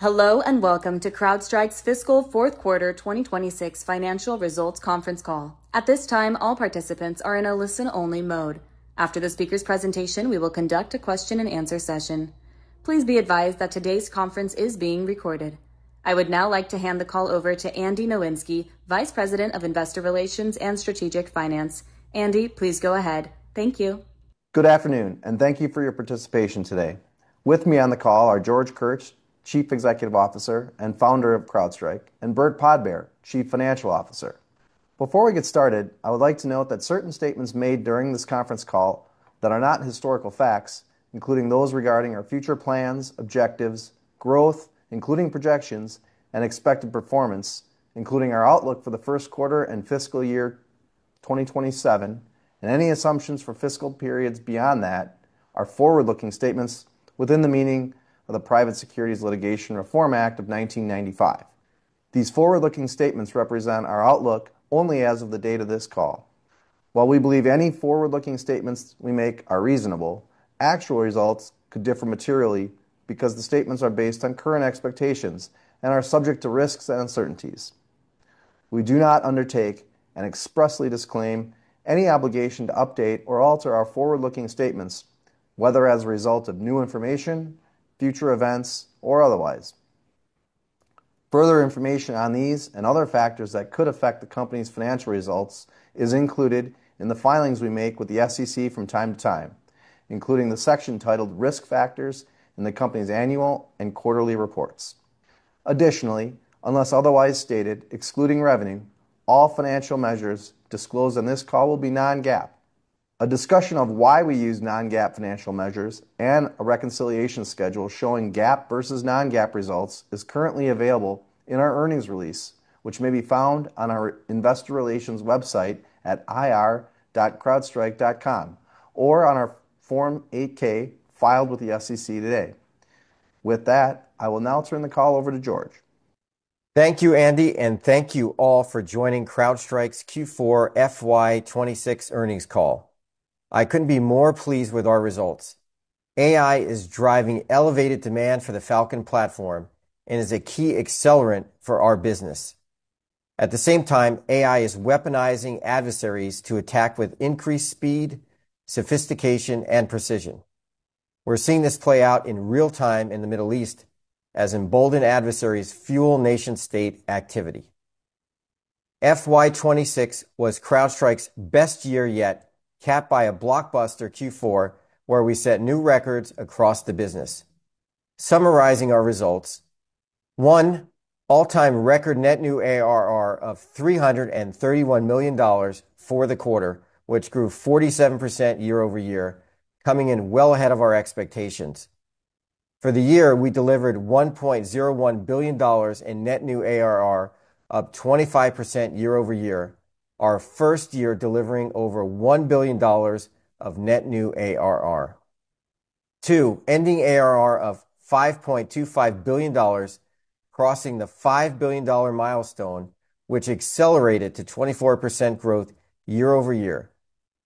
Hello, welcome to CrowdStrike's Fiscal Q4 2026 financial results conference call. At this time, all participants are in a listen-only mode. After the speaker's presentation, we will conduct a question and answer session. Please be advised that today's conference is being recorded. I would now like to hand the call over to Andy Nowinski, Vice President of Investor Relations and Strategic Finance. Andy, please go ahead. Thank you. Good afternoon and thank you for your participation today. With me on the call are George Kurtz, Chief Executive Officer and Founder of CrowdStrike, and Burt Podbere, Chief Financial Officer. Before we get started, I would like to note that certain statements made during this conference call that are not historical facts, including those regarding our future plans, objectives, growth, including projections and expected performance, including our outlook for the Q1 and fiscal year 2027, and any assumptions for fiscal periods beyond that, are forward-looking statements within the meaning of the Private Securities Litigation Reform Act of 1995. These forward-looking statements represent our outlook only as of the date of this call. While we believe any forward-looking statements, we make are reasonable, actual results could differ materially because the statements are based on current expectations and are subject to risks and uncertainties. We do not undertake and expressly disclaim any obligation to update or alter our forward-looking statements, whether as a result of new information, future events, or otherwise. Further information on these and other factors that could affect the company's financial results is included in the filings we make with the SEC from time to time, including the section titled Risk Factors in the company's annual and quarterly reports. Unless otherwise stated, excluding revenue, all financial measures disclosed on this call will be non-GAAP. A discussion of why we use non-GAAP financial measures and a reconciliation schedule showing GAAP versus non-GAAP results is currently available in our earnings release, which may be found on our investor relations website at ir.crowdstrike.com or on our Form 8-K filed with the SEC today. I will now turn the call over to George. Thank you, Andy, and thank you all for joining CrowdStrike's Q4 FY 26 earnings call. I couldn't be more pleased with our results. AI is driving elevated demand for the Falcon platform and is a key accelerant for our business. At the same time, AI is weaponizing adversaries to attack with increased speed, sophistication, and precision. We're seeing this play out in real time in the Middle East as emboldened adversaries fuel nation-state activity. FY 26 was CrowdStrike's best year yet, capped by a blockbuster Q4 where we set new records across the business. Summarizing our results. One, all-time record net new ARR of $331 million for the quarter, which grew 47% year-over-year, coming in well ahead of our expectations. For the year, we delivered $1.01 billion in net new ARR, up 25% year-over-year. Our first year delivering over $1 billion of net new ARR. Two, ending ARR of $5.25 billion, crossing the $5 billion milestone, which accelerated to 24% growth year-over-year.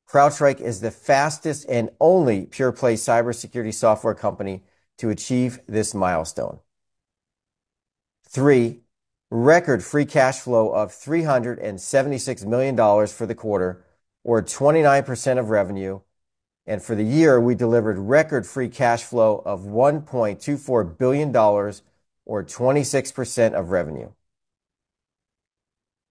CrowdStrike is the fastest and only pure-play cybersecurity software company to achieve this milestone. Three, record free cash flow of $376 million for the quarter, or 29% of revenue. For the year, we delivered record free cash flow of $1.24 billion or 26% of revenue.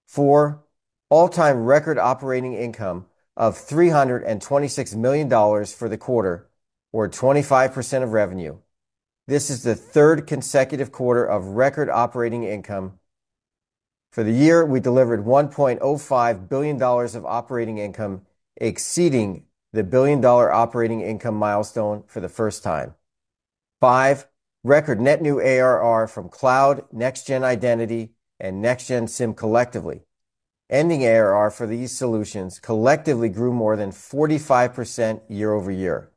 Four, all-time record operating income of $326 million for the quarter, or 25% of revenue. This is the third consecutive quarter of record operating income. For the year, we delivered $1.05 billions of operating income, exceeding the billion-dollar operating income milestone for the first time. Five, record net new ARR from cloud, next-gen identity, and next-gen SIEM collectively. Ending ARR for these solutions collectively grew more than 45% year-over-year.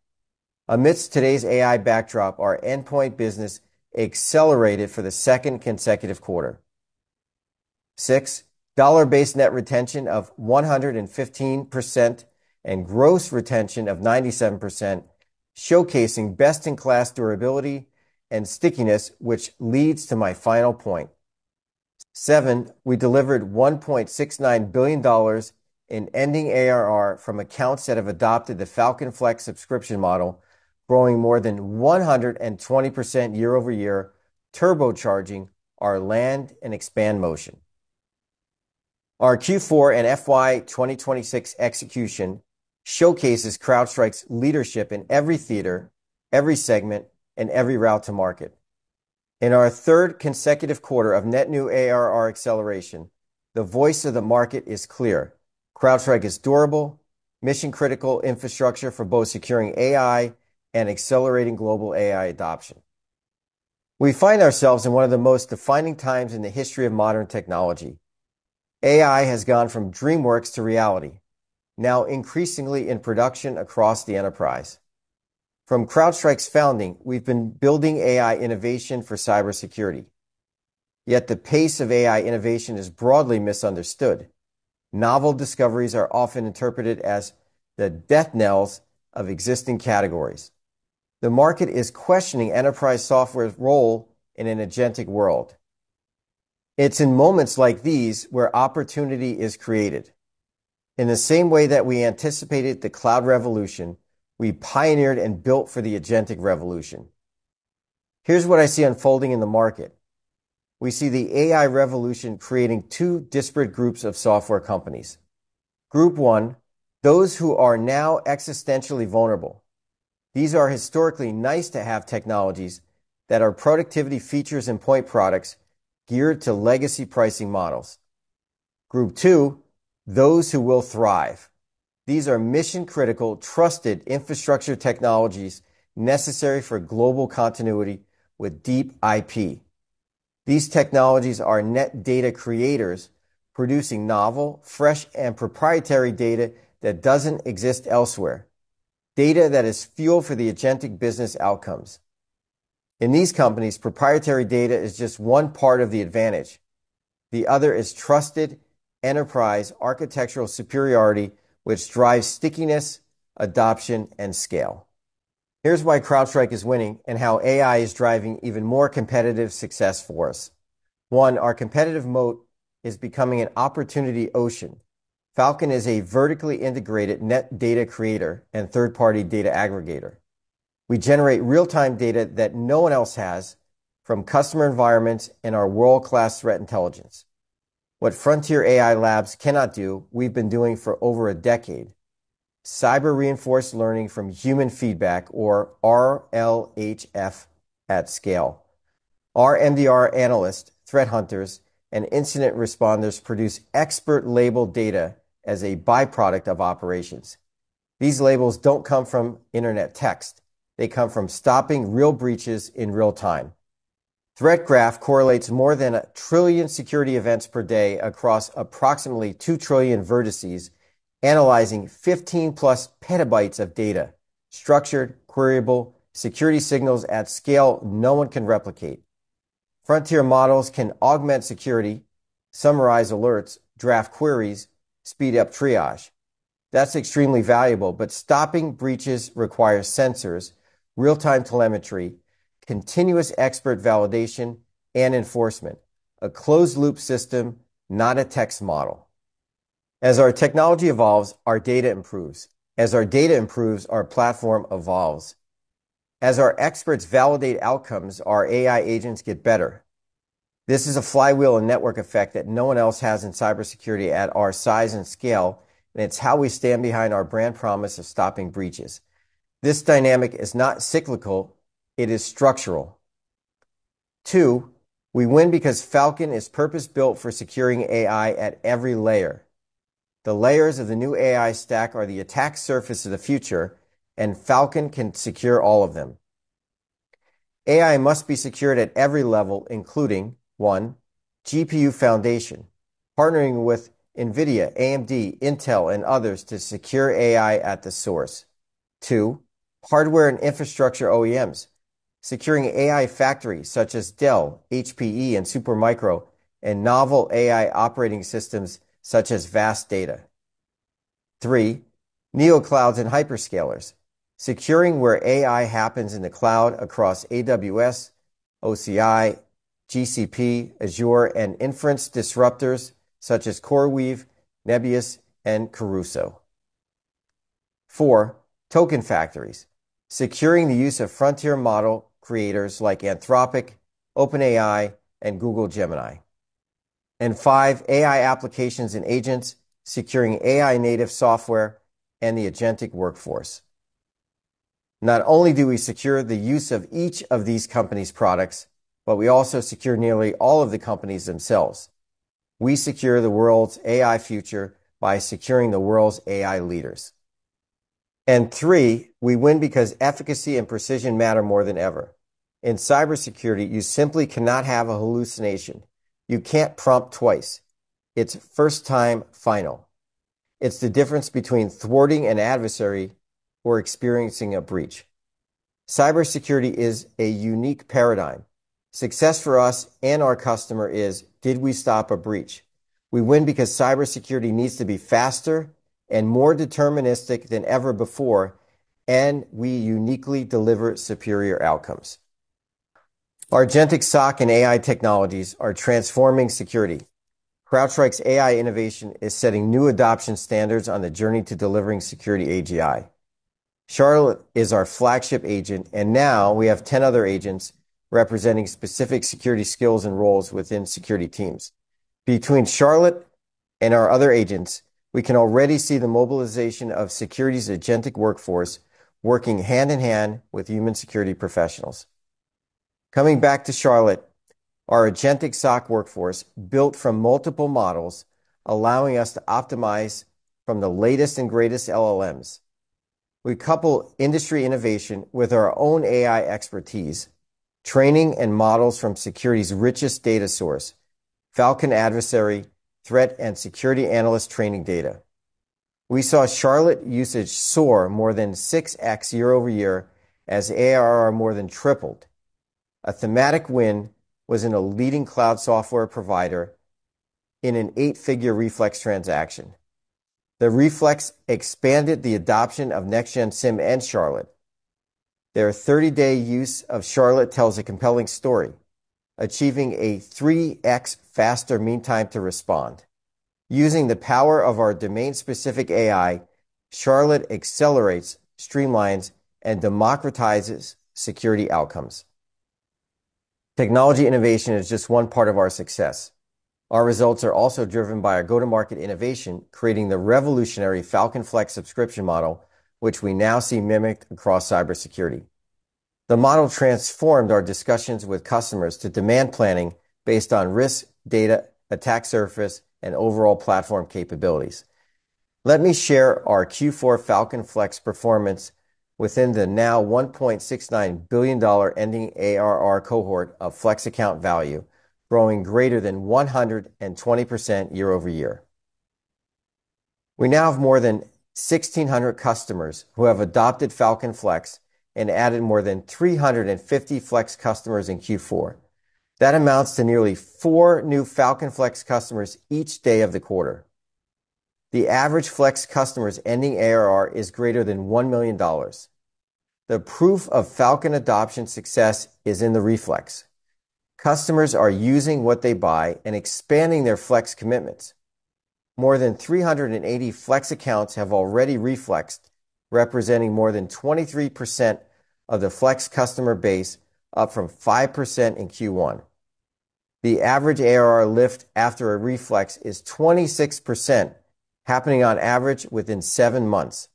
Amidst today's AI backdrop, our endpoint business accelerated for the second consecutive quarter. Six, dollar-based net retention of 115% and gross retention of 97%, showcasing best-in-class durability and stickiness, which leads to my final point. Seven, we delivered $1.69 billion in ending ARR from accounts that have adopted the Falcon Flex subscription model, growing more than 120% year-over-year, turbocharging our land and expand motion. Our Q4 and FY 2026 execution showcases CrowdStrike's leadership in every theater, every segment, and every route to market. In our third consecutive quarter of net new ARR acceleration, the voice of the market is clear. CrowdStrike is durable, mission-critical infrastructure for both securing AI and accelerating global AI adoption. We find ourselves in one of the most defining times in the history of modern technology. AI has gone from dream work to reality, now increasingly in production across the enterprise. From CrowdStrike's founding, we've been building AI innovation for cybersecurity. The pace of AI innovation is broadly misunderstood. Novel discoveries are often interpreted as the death knells of existing categories. The market is questioning enterprise software's role in an agentic world. It's in moments like these where opportunity is created. In the same way that we anticipated the cloud revolution, we pioneered and built for the agentic revolution. Here's what I see unfolding in the market. We see the AI revolution creating two disparate groups of software companies. Group one, those who are now existentially vulnerable. These are historically nice-to-have technologies that are productivity features and point products geared to legacy pricing models. Group two, those who will thrive. These are mission-critical, trusted infrastructure technologies necessary for global continuity with deep IP. These technologies are net data creators producing novel, fresh, and proprietary data that doesn't exist elsewhere, data that is fuel for the agentic business outcomes. In these companies, proprietary data is just one part of the advantage. The other is trusted enterprise architectural superiority, which drives stickiness, adoption, and scale. Here's why CrowdStrike is winning and how AI is driving even more competitive success for us. One, our competitive moat is becoming an opportunity ocean. Falcon is a vertically integrated net data creator and third-party data aggregator. We generate real-time data that no one else has from customer environments and our world-class threat intelligence. What frontier AI labs cannot do, we've been doing for over a decade. Cyber-Reinforced Learning from Human Feedback or RLHF at scale. Our MDR analyst, threat hunters, and incident responders produce expert labeled data as a by-product of operations. These labels don't come from internet text. They come from stopping real breaches in real-time. Threat Graph correlates more than a trillion security events per day across approximately 2 trillion vertices, analyzing 15-plus petabytes of data, structured, queryable security signals at scale no one can replicate. Frontier models can augment security, summarize alerts, draft queries, speed up triage. That's extremely valuable, but stopping breaches requires sensors, real-time telemetry, continuous expert validation, and enforcement. A closed-loop system, not a text model. Our technology evolves, our data improves. Our data improves, our platform evolves. Our experts validate outcomes, our AI agents get better. This is a flywheel and network effect that no one else has in cybersecurity at our size and scale, and it's how we stand behind our brand promise of stopping breaches. This dynamic is not cyclical, it is structural. Two, we win because Falcon is purpose-built for securing AI at every layer. The layers of the new AI stack are the attack surface of the future, and Falcon can secure all of them. AI must be secured at every level, including, one, GPU foundation, partnering with NVIDIA, AMD, Intel, and others to secure AI at the source. Two, hardware and infrastructure OEMs, securing AI factories such as Dell, HPE, and Supermicro, and novel AI operating systems such as VAST Data. Three, Neo clouds and hyperscalers, securing where AI happens in the cloud across AWS, OCI, GCP, Azure, and inference disruptors such as CoreWeave, Nebius, and Crusoe. Four, token factories, securing the use of frontier model creators like Anthropic, OpenAI, and Google Gemini. Five, AI applications and agents securing AI-native software and the agentic workforce. Not only do we secure the use of each of these companies' products, but we also secure nearly all of the companies themselves. We secure the world's AI future by securing the world's AI leaders. Three, we win because efficacy and precision matter more than ever. In cybersecurity, you simply cannot have a hallucination. You can't prompt twice. It's first time final. It's the difference between thwarting an adversary or experiencing a breach. Cybersecurity is a unique paradigm. Success for us and our customer is, did we stop a breach? We win because cybersecurity needs to be faster and more deterministic than ever before, and we uniquely deliver superior outcomes. Our agentic SOC and AI technologies are transforming security. CrowdStrike's AI innovation is setting new adoption standards on the journey to delivering security AGI. Charlotte is our flagship agent, and now we have 10 other agents representing specific security skills and roles within security teams. Between Charlotte and our other agents, we can already see the mobilization of security's agentic workforce working hand-in-hand with human security professionals. Coming back to Charlotte, our agentic SOC workforce built from multiple models, allowing us to optimize from the latest and greatest LLMs. We couple industry innovation with our own AI expertise, training and models from security's richest data source, Falcon adversary, threat, and security analyst training data. We saw Charlotte usage soar more than 6x year-over-year as ARR more than tripled. A thematic win was in a leading cloud software provider in an eight-figure reflex transaction. The reflex expanded the adoption of Next-Gen SIEM and Charlotte. Their 30-day use of Charlotte tells a compelling story, achieving a 3x faster meantime to respond. Using the power of our domain-specific AI, Charlotte accelerates, streamlines, and democratizes security outcomes. Technology innovation is just one part of our success. Our results are also driven by our go-to-market innovation, creating the revolutionary Falcon Flex subscription model, which we now see mimicked across cybersecurity. The model transformed our discussions with customers to demand planning based on risk, data, attack surface, and overall platform capabilities. Let me share our Q4 Falcon Flex performance within the now $1.69 billion ending ARR cohort of Flex account value, growing greater than 120% year-over-year. We now have more than 1,600 customers who have adopted Falcon Flex and added more than 350 Flex customers in Q4. That amounts to nearly four new Falcon Flex customers each day of the quarter. The average Flex customer's ending ARR is greater than $1 million. The proof of Falcon adoption success is in the reflex. Customers are using what they buy and expanding their Flex commitments. More than 380 Flex accounts have already reflexed, representing more than 23% of the Flex customer base, up from 5% in Q1. The average ARR lift after a reflex is 26%, happening on average within seven months.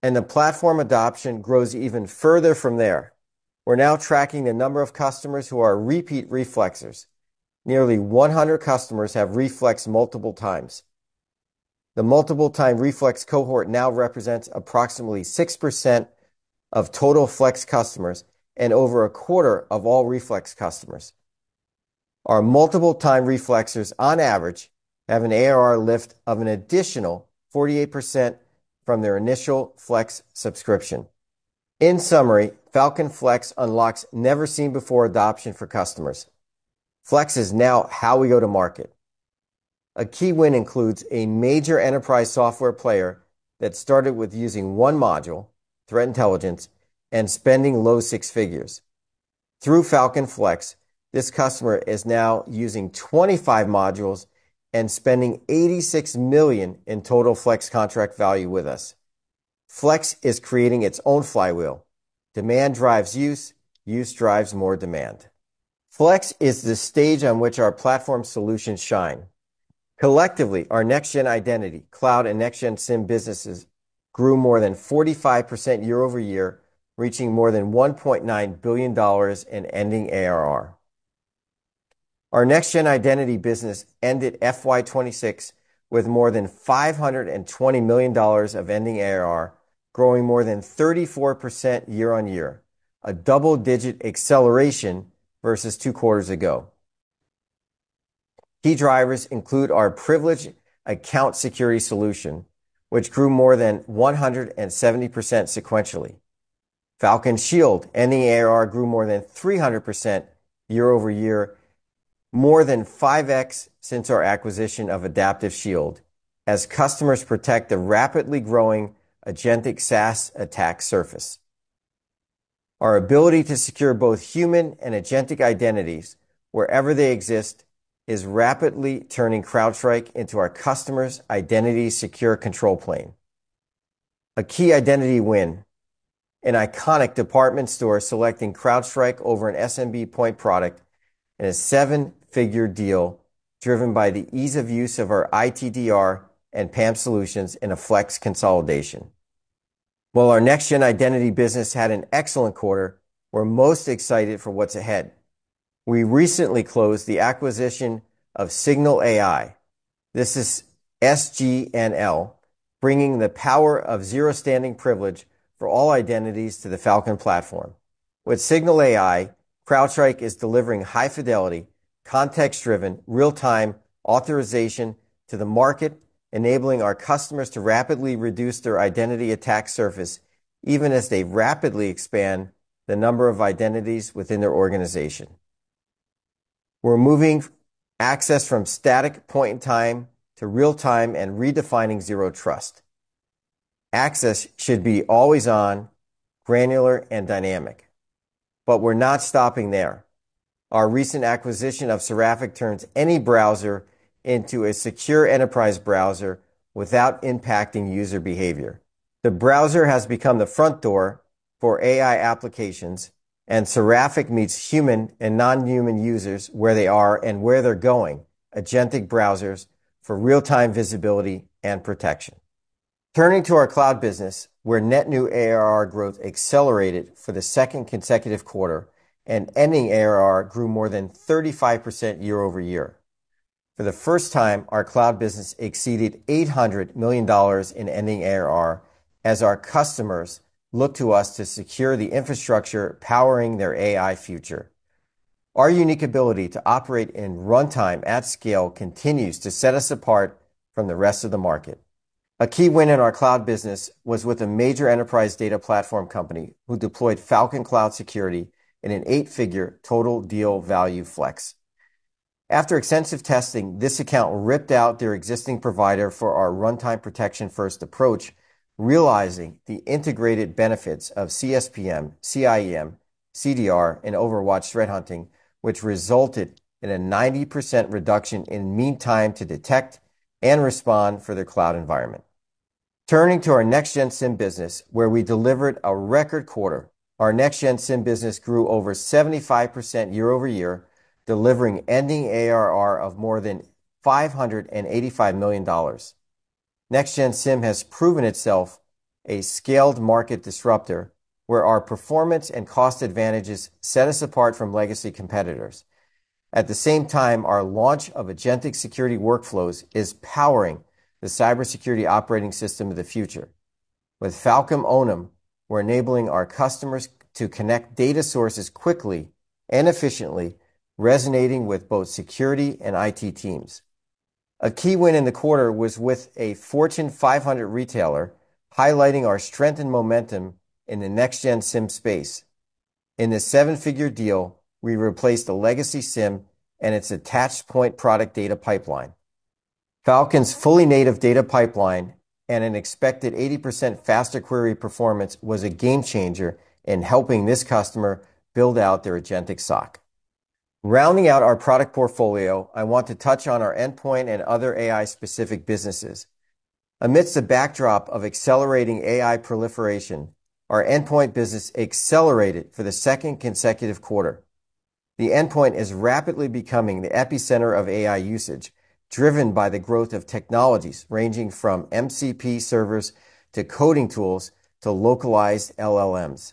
The platform adoption grows even further from there. We're now tracking the number of customers who are repeat reflexers. Nearly 100 customers have reflexed multiple times. The multiple-time reflex cohort now represents approximately 6% of total Flex customers and over a quarter of all reflex customers. Our multiple time reflexes on average have an ARR lift of an additional 48% from their initial Flex subscription. In summary, Falcon Flex unlocks never-seen-before adoption for customers. Flex is now how we go to market. A key win includes a major enterprise software player that started with using one module, threat intelligence, and spending low six figures. Through Falcon Flex, this customer is now using 25 modules and spending $86 million in total Flex contract value with us. Flex is creating its own flywheel. Demand drives use drives more demand. Flex is the stage on which our platform solutions shine. Collectively, our NextGen Identity, Cloud, and NextGen SIEM businesses grew more than 45% year-over-year, reaching more than $1.9 billion in ending ARR. Our Next-Gen Identity business ended FY 2026 with more than $520 million of ending ARR, growing more than 34% year-on-year, a double-digit acceleration versus two quarters ago. Key drivers include our Privileged Account Security Solution, which grew more than 170% sequentially. Falcon Shield ending ARR grew more than 300% year-over-year, more than 5x since our acquisition of Adaptive Shield, as customers protect the rapidly growing agentic SaaS attack surface. Our ability to secure both human and agentic identities wherever they exist is rapidly turning CrowdStrike into our customers' identity secure control plane. A key identity win, an iconic department store selecting CrowdStrike over an SMB point product in a seven-figure deal driven by the ease of use of our ITDR and PAM solutions in a Flex consolidation. While our NextGen Identity business had an excellent quarter, we're most excited for what's ahead. We recently closed the acquisition of SGNL. This is SGNL, bringing the power of Zero Standing Privilege for all identities to the Falcon platform. With SGNL, CrowdStrike is delivering high-fidelity, context-driven, real-time authorization to the market, enabling our customers to rapidly reduce their identity attack surface, even as they rapidly expand the number of identities within their organization. We're moving access from static point in time to real-time and redefining Zero Trust. Access should be always on, granular, and dynamic. We're not stopping there. Our recent acquisition of Seraphic turns any browser into a secure enterprise browser without impacting user behavior. The browser has become the front door for AI applications, and Seraphic meets human and non-human users where they are and where they're going, agentic browsers for real-time visibility and protection. Turning to our cloud business, where net new ARR growth accelerated for the second consecutive quarter and ending ARR grew more than 35% year-over-year. For the first time, our cloud business exceeded $800 million in ending ARR as our customers look to us to secure the infrastructure powering their AI future. Our unique ability to operate in runtime at scale continues to set us apart from the rest of the market. A key win in our cloud business was with a major enterprise data platform company who deployed Falcon Cloud Security in an eight-figure total deal value flex. After extensive testing, this account ripped out their existing provider for our runtime protection-first approach, realizing the integrated benefits of CSPM, CIEM, CDR, and Overwatch threat hunting, which resulted in a 90% reduction in meantime to detect and respond for their cloud environment. Turning to our next-gen SIEM business, where we delivered a record quarter, our next-gen SIEM business grew over 75% year-over-year, delivering ending ARR of more than $585 million. Next-gen SIEM has proven itself a scaled market disruptor, where our performance and cost advantages set us apart from legacy competitors. Our launch of agentic security workflows is powering the cybersecurity operating system of the future. With Falcon Onum, we're enabling our customers to connect data sources quickly and efficiently, resonating with both security and IT teams. A key win in the quarter was with a Fortune 500 retailer, highlighting our strength and momentum in the next-gen SIEM space. In the seven-figure deal, we replaced a legacy SIEM and its attached point product data pipeline. Falcon's fully native data pipeline and an expected 80% faster query performance was a game-changer in helping this customer build out their agentic SOC. Rounding out our product portfolio, I want to touch on our endpoint and other AI-specific businesses. Amidst the backdrop of accelerating AI proliferation, our endpoint business accelerated for the second consecutive quarter. The endpoint is rapidly becoming the epicenter of AI usage, driven by the growth of technologies ranging from MCP servers to coding tools to localized LLMs.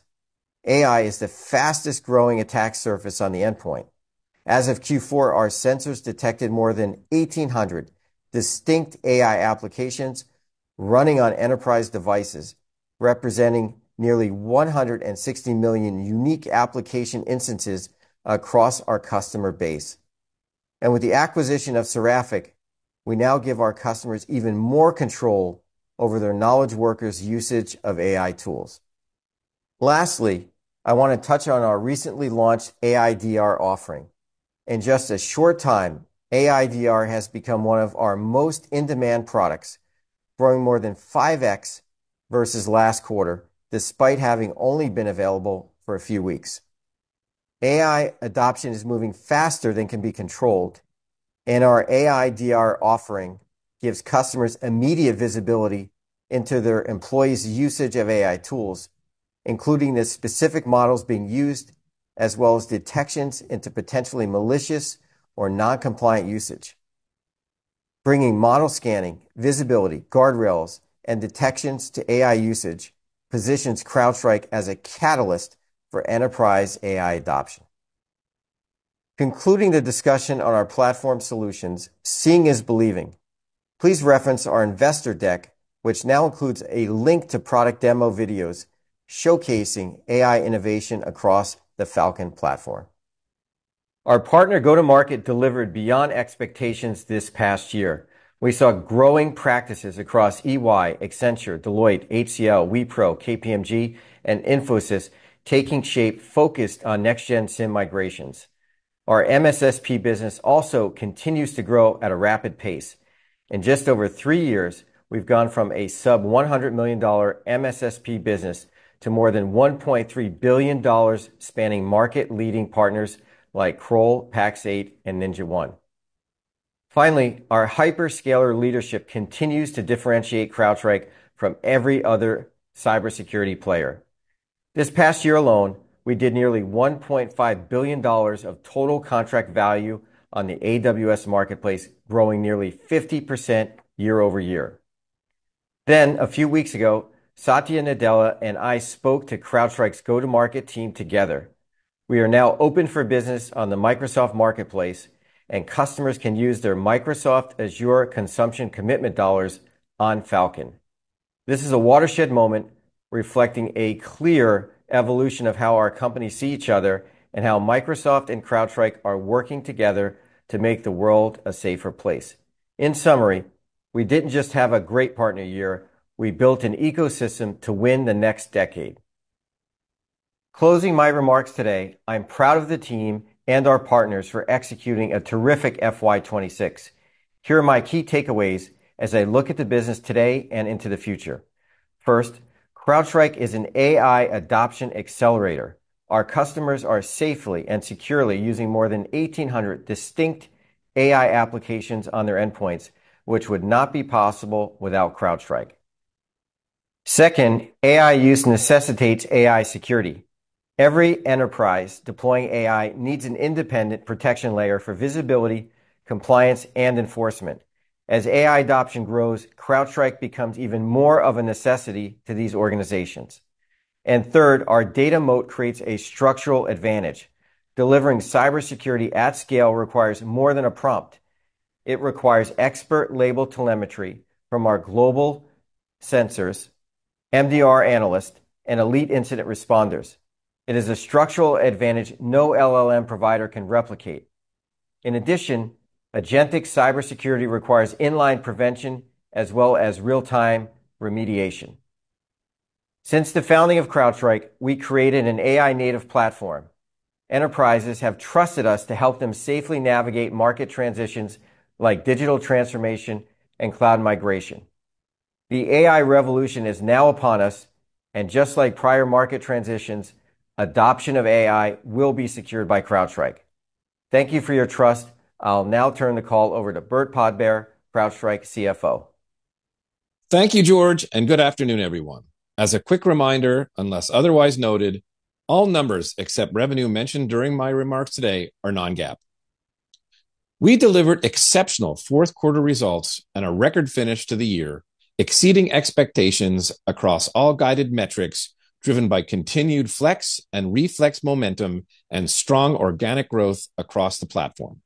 AI is the fastest-growing attack surface on the endpoint. As of Q4, our sensors detected more than 1,800 distinct AI applications running on enterprise devices, representing nearly 160 million unique application instances across our customer base. With the acquisition of Seraphic, we now give our customers even more control over their knowledge workers' usage of AI tools. Lastly, I want to touch on our recently launched AI-DR offering. In just a short time, AI-DR has become one of our most in-demand products, growing more than 5x versus last quarter, despite having only been available for a few weeks. AI adoption is moving faster than can be controlled. Our AI-DR offering gives customers immediate visibility into their employees' usage of AI tools, including the specific models being used, as well as detections into potentially malicious or non-compliant usage. Bringing model scanning, visibility, guardrails, and detections to AI usage positions CrowdStrike as a catalyst for enterprise AI adoption. Concluding the discussion on our platform solutions, seeing is believing. Please reference our investor deck, which now includes a link to product demo videos showcasing AI innovation across the Falcon platform. Our partner go-to-market delivered beyond expectations this past year. We saw growing practices across EY, Accenture, Deloitte, HCL, Wipro, KPMG, and Infosys taking shape focused on next-gen SIEM migrations. Our MSSP business also continues to grow at a rapid pace. In just over three years, we've gone from a sub-$100 million MSSP business to more than $1.3 billion spanning market-leading partners like Kroll, Pax8, and NinjaOne. Our hyperscaler leadership continues to differentiate CrowdStrike from every other cybersecurity player. This past year alone, we did nearly $1.5 billion of total contract value on the AWS marketplace, growing nearly 50% year-over-year. A few weeks ago, Satya Nadella and I spoke to CrowdStrike's go-to-market team together. We are now open for business on the Microsoft marketplace, and customers can use their Microsoft Azure consumption commitment dollars on Falcon. This is a watershed moment reflecting a clear evolution of how our companies see each other and how Microsoft and CrowdStrike are working together to make the world a safer place. In summary, we didn't just have a great partner year, we built an ecosystem to win the next decade. Closing my remarks today, I'm proud of the team and our partners for executing a terrific FY2026. Here are my key takeaways as I look at the business today and into the future. First, CrowdStrike is an AI adoption accelerator. Our customers are safely and securely using more than 1,800 distinct AI applications on their endpoints, which would not be possible without CrowdStrike. Second, AI use necessitates AI security. Every enterprise deploying AI needs an independent protection layer for visibility, compliance, and enforcement. As AI adoption grows, CrowdStrike becomes even more of a necessity to these organizations. Third, our data moat creates a structural advantage. Delivering cybersecurity at scale requires more than a prompt. It requires expert label telemetry from our global sensors, MDR analyst, and elite incident responders. It is a structural advantage no LLM provider can replicate. In addition, agentic cybersecurity requires inline prevention as well as real-time remediation. Since the founding of CrowdStrike, we created an AI native platform. Enterprises have trusted us to help them safely navigate market transitions like digital transformation and cloud migration. The AI revolution is now upon us, and just like prior market transitions, adoption of AI will be secured by CrowdStrike. Thank you for your trust. I'll now turn the call over to Burt Podbere, CrowdStrike CFO. Thank you, George. Good afternoon, everyone. As a quick reminder, unless otherwise noted, all numbers except revenue mentioned during my remarks today are non-GAAP. We delivered exceptional Q4 results and a record finish to the year, exceeding expectations across all guided metrics driven by continued Flex momentum and strong organic growth across the platform.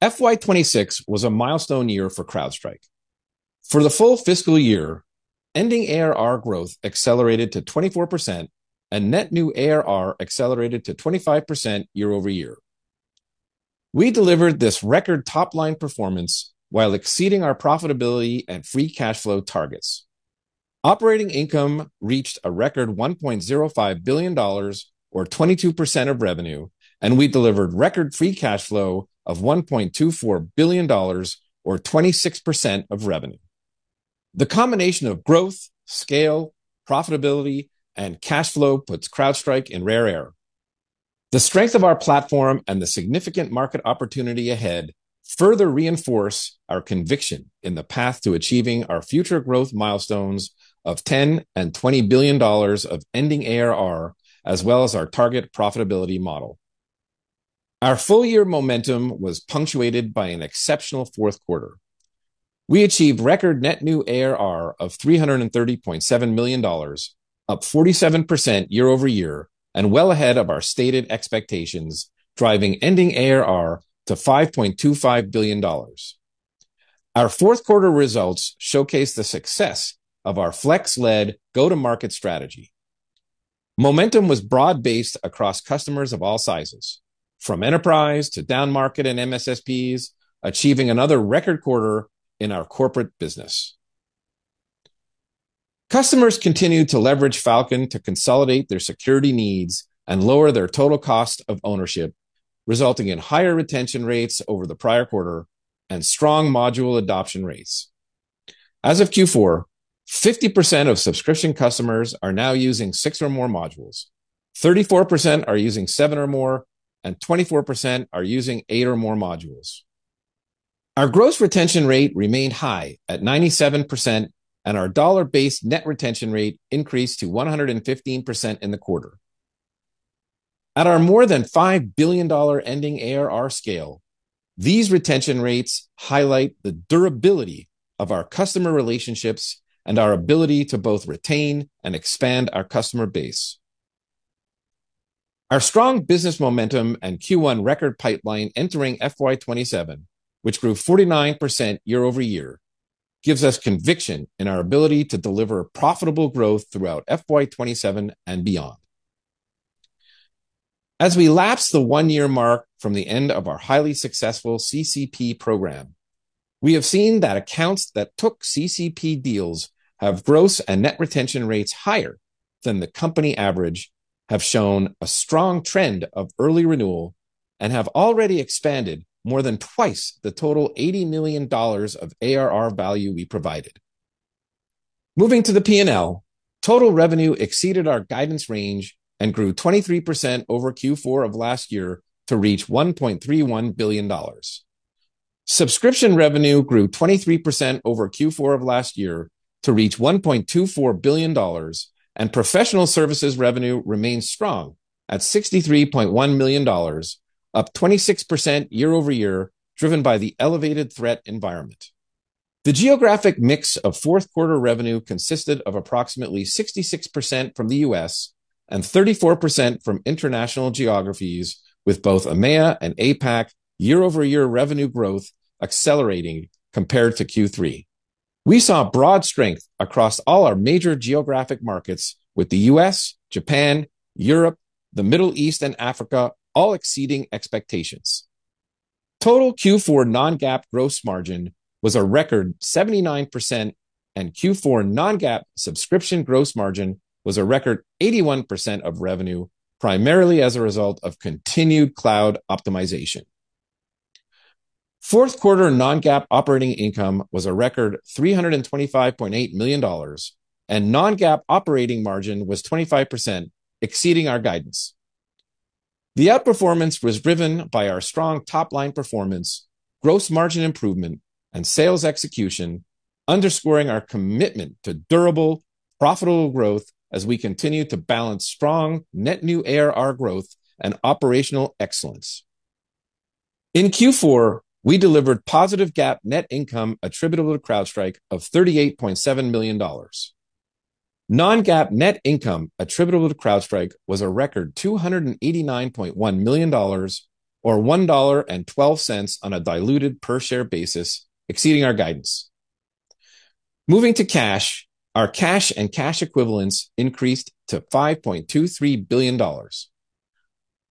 FY 26 was a milestone year for CrowdStrike. For the full fiscal year, ending ARR growth accelerated to 24% and net new ARR accelerated to 25% year-over-year. We delivered this record top-line performance while exceeding our profitability and free cash flow targets. Operating income reached a record $1.05 billion or 22% of revenue. We delivered record free cash flow of $1.24 billion or 26% of revenue. The combination of growth, scale, profitability, and cash flow puts CrowdStrike in rare air. The strength of our platform and the significant market opportunity ahead further reinforce our conviction in the path to achieving our future growth milestones of $10 billion and $20 billion of ending ARR as well as our target profitability model. Our full year momentum was punctuated by an exceptional Q4. We achieved record net new ARR of $330.7 million, up 47% year-over-year and well ahead of our stated expectations, driving ending ARR to $5.25 billion. Our Q4 results showcase the success of our Flex-led go-to-market strategy. Momentum was broad-based across customers of all sizes, from enterprise to downmarket and MSSPs, achieving another record quarter in our corporate business. Customers continued to leverage Falcon to consolidate their security needs and lower their total cost of ownership, resulting in higher retention rates over the prior quarter and strong module adoption rates. As of Q4, 50% of subscription customers are now using six or more modules, 34% are using seven or more, and 24% are using eight or more modules. Our gross retention rate remained high at 97%, and our dollar-based net retention rate increased to 115% in the quarter. At our more than $5 billion ending ARR scale, these retention rates highlight the durability of our customer relationships and our ability to both retain and expand our customer base. Our strong business momentum and Q1 record pipeline entering FY27, which grew 49% year-over-year, gives us conviction in our ability to deliver profitable growth throughout FY27 and beyond. As we lapse the one-year mark from the end of our highly successful CCP program, we have seen that accounts that took CCP deals have gross and net retention rates higher than the company average, have shown a strong trend of early renewal, and have already expanded more than twice the total $80 million of ARR value we provided. Moving to the P&L, total revenue exceeded our guidance range and grew 23% over Q4 of last year to reach $1.31 billion. Subscription revenue grew 23% over Q4 of last year to reach $1.24 billion, and professional services revenue remains strong at $63.1 million, up 26% year-over-year, driven by the elevated threat environment. The geographic mix of Q4 revenue consisted of approximately 66% from the U.S. and 34% from international geographies, with both EMEA and APAC year-over-year revenue growth accelerating compared to Q3. We saw broad strength across all our major geographic markets with the U.S., Japan, Europe, the Middle East, and Africa all exceeding expectations. Total Q4 non-GAAP gross margin was a record 79%, and Q4 non-GAAP subscription gross margin was a record 81% of revenue, primarily as a result of continued cloud optimization. Q4 non-GAAP operating income was a record $325.8 million, and non-GAAP operating margin was 25%, exceeding our guidance. The outperformance was driven by our strong top-line performance, gross margin improvement, and sales execution, underscoring our commitment to durable, profitable growth as we continue to balance strong net new ARR growth and operational excellence. In Q4, we delivered positive GAAP net income attributable to CrowdStrike of $38.7 million. Non-GAAP net income attributable to CrowdStrike was a record $289.1 million or $1.12 on a diluted per share basis, exceeding our guidance. Moving to cash, our cash and cash equivalents increased to $5.23 billion.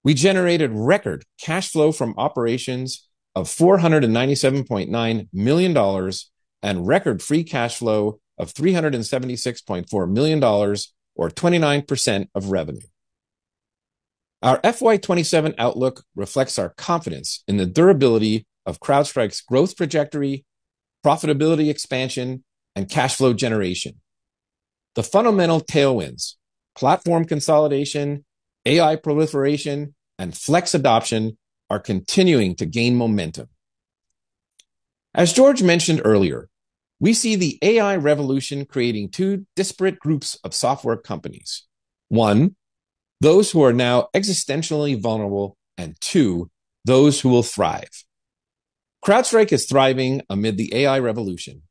We generated record cash flow from operations of $497.9 million and record free cash flow of $376.4 million or 29% of revenue. Our FY27 outlook reflects our confidence in the durability of CrowdStrike's growth trajectory, profitability expansion, and cash flow generation. The fundamental tailwinds, platform consolidation, AI proliferation, and Flex adoption are continuing to gain momentum. As George mentioned earlier, we see the AI revolution creating two disparate groups of software companies. One, those who are now existentially vulnerable, and two, those who will thrive. CrowdStrike is thriving amid the AI revolution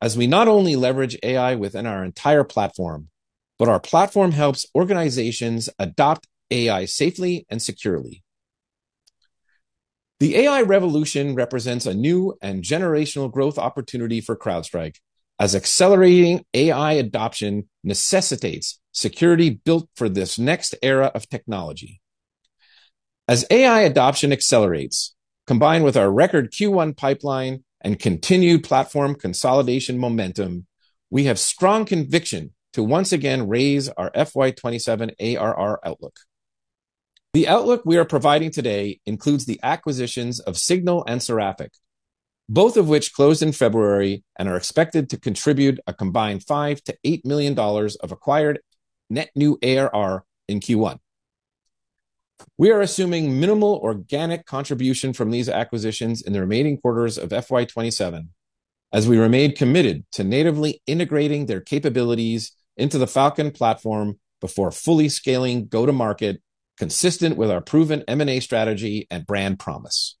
as we not only leverage AI within our entire platform, but our platform helps organizations adopt AI safely and securely. The AI revolution represents a new and generational growth opportunity for CrowdStrike as accelerating AI adoption necessitates security built for this next era of technology. As AI adoption accelerates, combined with our record Q1 pipeline and continued platform consolidation momentum, we have strong conviction to once again raise our FY 2027 ARR outlook. The outlook we are providing today includes the acquisitions of SGNL and Seraphic, both of which closed in February and are expected to contribute a combined $5 -$8 millions of acquired net new ARR in Q1. We are assuming minimal organic contribution from these acquisitions in the remaining quarters of FY 2027 as we remain committed to natively integrating their capabilities into the Falcon platform before fully scaling go-to-market consistent with our proven M&A strategy and brand promise.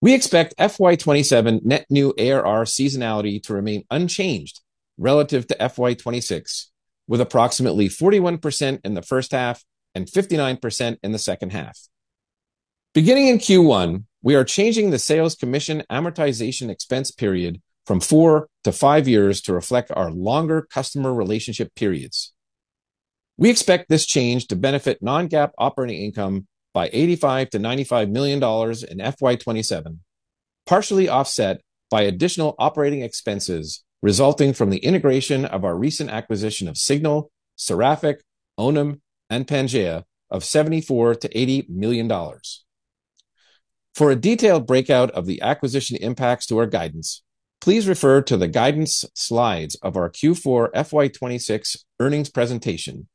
We expect FY 2027 net new ARR seasonality to remain unchanged relative to FY 2026, with approximately 41% in the H1 and 59% in the H2. Beginning in Q1, we are changing the sales commission amortization expense period from four to five years to reflect our longer customer relationship periods. We expect this change to benefit non-GAAP operating income by $85 million-$95 million in FY 2027, partially offset by additional operating expenses resulting from the integration of our recent acquisition of SGNL, Seraphic, Onum, and Pangea of $74 -$80 million. For a detailed breakout of the acquisition impacts to our guidance, please refer to the guidance slides of our Q4 FY 2026 earnings presentation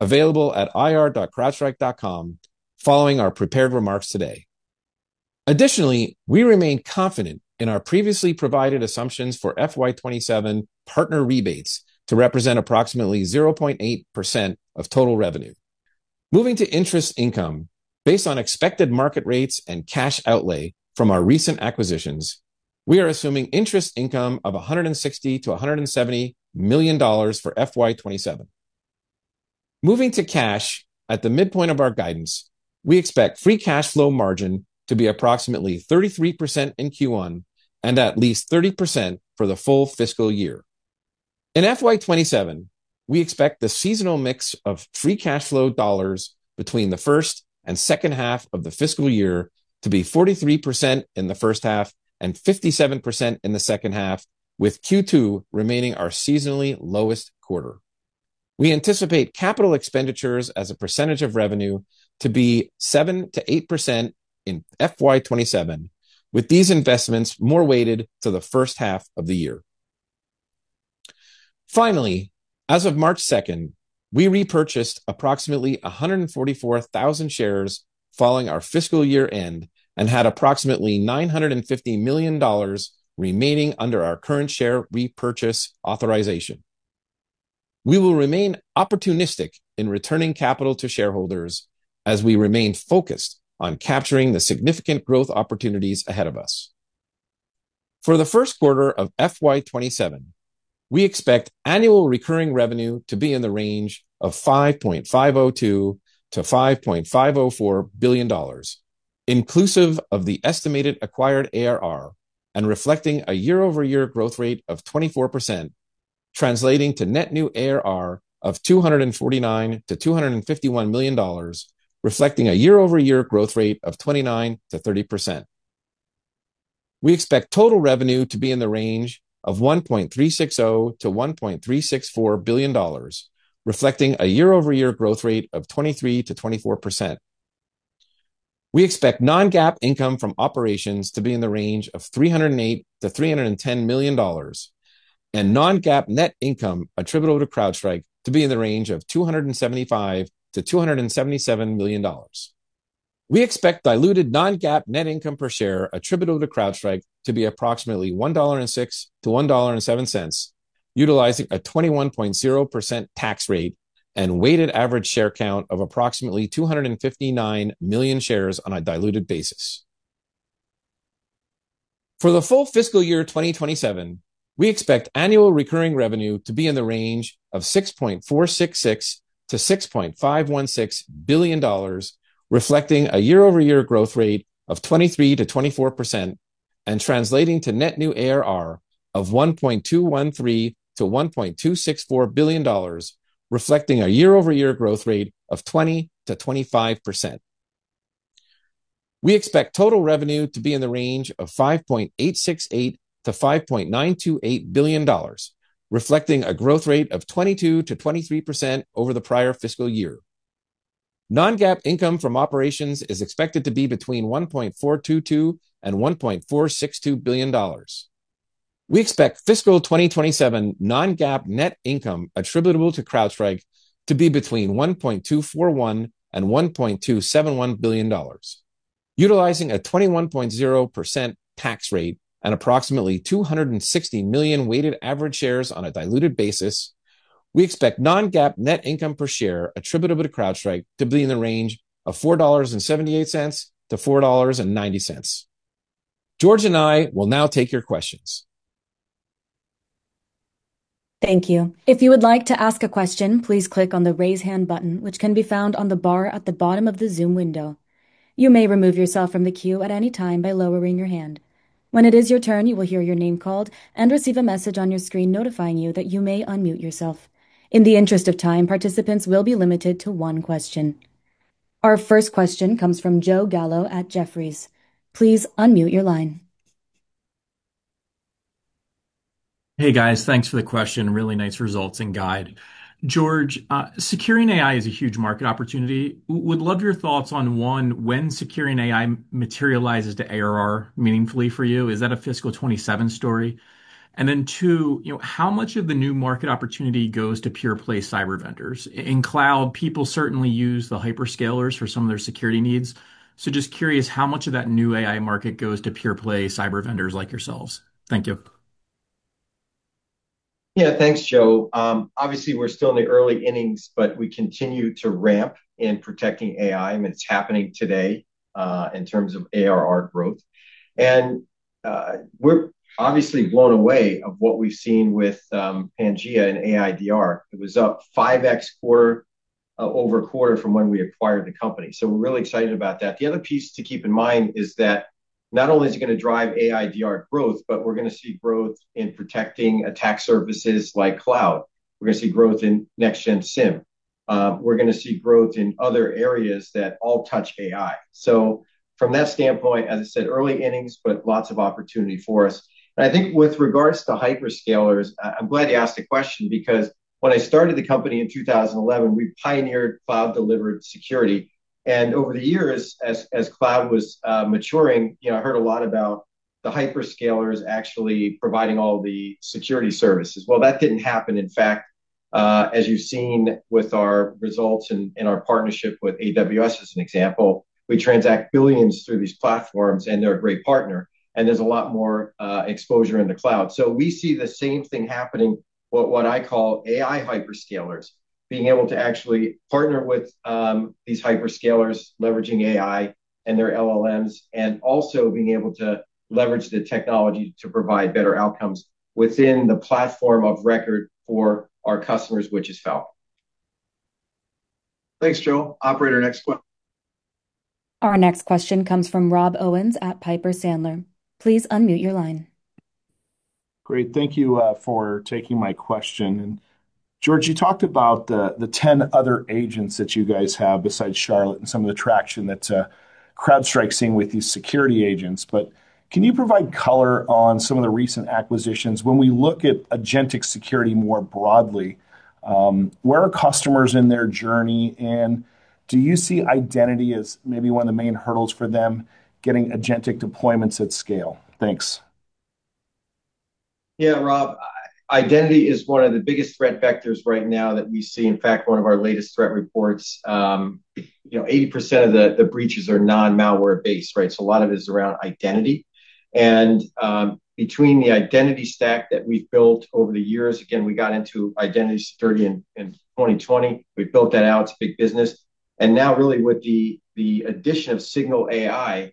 available at ir.crowdstrike.com following our prepared remarks today. Additionally, we remain confident in our previously provided assumptions for FY 2027 partner rebates to represent approximately 0.8% of total revenue. Moving to interest income. Based on expected market rates and cash outlay from our recent acquisitions, we are assuming interest income of $160 -$170 million for FY 2027. Moving to cash at the midpoint of our guidance, we expect free cash flow margin to be approximately 33% in Q1 and at least 30% for the full fiscal year. In FY 2027, we expect the seasonal mix of free cash flow dollars between the first and H2 of the fiscal year to be 43% in the H1 and 57% in the H2, with Q2 remaining our seasonally lowest quarter. We anticipate capital expenditures as a percentage of revenue to be 7%-8% in FY 2027, with these investments more weighted to the H1 of the year. Finally, as of March second, we repurchased approximately 144,000 shares following our fiscal year-end and had approximately $950 million remaining under our current share repurchase authorization. We will remain opportunistic in returning capital to shareholders as we remain focused on capturing the significant growth opportunities ahead of us. For the Q1 of FY 2027, we expect annual recurring revenue to be in the range of $5.502 -$5.504 billion, inclusive of the estimated acquired ARR and reflecting a year-over-year growth rate of 24%, translating to net new ARR of $249 -$251 million, reflecting a year-over-year growth rate of 29%-30%. We expect total revenue to be in the range of $1.360 -$1.364 billion, reflecting a year-over-year growth rate of 23%-24%. We expect non-GAAP income from operations to be in the range of $308 -$310 million, and non-GAAP net income attributable to CrowdStrike to be in the range of $275-$277 million. We expect diluted non-GAAP net income per share attributable to CrowdStrike to be approximately $1.06-$1.07, utilizing a 21.0% tax rate and weighted average share count of approximately 259 million shares on a diluted basis. For the full fiscal year 2027, we expect annual recurring revenue to be in the range of $6.466 -$6.516 billion, reflecting a year-over-year growth rate of 23%-24% and translating to net new ARR of $1.213 -$1.264 billion, reflecting a year-over-year growth rate of 20%-25%. We expect total revenue to be in the range of $5.868 -$5.928 billion, reflecting a growth rate of 22%-23% over the prior fiscal year. Non-GAAP income from operations is expected to be between $1.422 billion and $1.462 billion. We expect fiscal 2027 non-GAAP net income attributable to CrowdStrike to be between $1.241 billion and $1.271 billion. Utilizing a 21.0% tax rate and approximately 260 million weighted average shares on a diluted basis, we expect non-GAAP net income per share attributable to CrowdStrike to be in the range of $4.78-$4.90. George and I will now take your questions. Thank you. If you would like to ask a question, please click on the Raise Hand button, which can be found on the bar at the bottom of the Zoom window. You may remove yourself from the queue at any time by lowering your hand. When it is your turn, you will hear your name called and receive a message on your screen notifying you that you may unmute yourself. In the interest of time, participants will be limited to one question. Our first question comes from Joseph Gallo at Jefferies. Please unmute your line. Hey, guys. Thanks for the question. Really nice results and guide. George, securing AI is a huge market opportunity. Would love your thoughts on, one, when securing AI materializes to ARR meaningfully for you. Is that a fiscal '27 story? Two, you know, how much of the new market opportunity goes to pure play cyber vendors? In cloud, people certainly use the hyperscalers for some of their security needs, so just curious how much of that new AI market goes to pure play cyber vendors like yourselves. Thank you. Yeah. Thanks, Joe. Obviously, we're still in the early innings, but we continue to ramp in protecting AI, and it's happening today, in terms of ARR growth. We're obviously blown away of what we've seen with Pangea and AI-DR. It was up 5x quarter-over-quarter from when we acquired the company, so we're really excited about that. The other piece to keep in mind is that not only is it gonna drive AI-DR growth, but we're gonna see growth in protecting attack services like cloud. We're gonna see growth in next gen SIEM. We're gonna see growth in other areas that all touch AI. From that standpoint, as I said, early innings, but lots of opportunity for us. I think with regards to hyperscalers, I'm glad you asked the question because when I started the company in 2011, we pioneered cloud-delivered security. Over the years, as cloud was maturing, you know, I heard a lot about the hyperscalers actually providing all the security services. That didn't happen. In fact, as you've seen with our results and our partnership with AWS as an example, we transact $billions through these platforms, and they're a great partner, and there's a lot more exposure in the cloud. We see the same thing happening, what I call AI hyperscalers, being able to actually partner with these hyperscalers leveraging AI and their LLMs and also being able to leverage the technology to provide better outcomes within the platform of record for our customers, which is Falcon. Thanks, Joe. Operator, next question Our next question comes from Rob Owens at Piper Sandler. Please unmute your line. Great. Thank you for taking my question. George, you talked about the 10 other agents that you guys have besides Charlotte and some of the traction that CrowdStrike's seeing with these security agents. Can you provide color on some of the recent acquisitions? When we look at agentic security more broadly, where are customers in their journey, and do you see identity as maybe one of the main hurdles for them getting agentic deployments at scale? Thanks. Yeah, Rob. Identity is one of the biggest threat vectors right now that we see. In fact, one of our latest threat reports, you know, 80% of the breaches are non-malware based, right? A lot of it is around identity. Between the identity stack that we've built over the years, again, we got into identity security in 2020. We've built that out to big business. Now really with the addition of SGNL,